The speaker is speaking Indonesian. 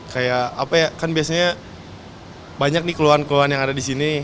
kayak apa ya kan biasanya banyak nih keluhan keluhan yang ada di sini